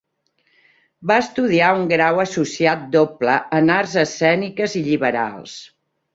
Va estudiar un grau associat doble en arts escèniques i lliberals.